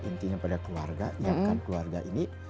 intinya pada keluarga siapkan keluarga ini